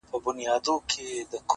• چا نذرونه خیراتونه ایښودله ,